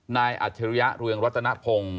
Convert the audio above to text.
นายอัธิริยะรุงรัตนภง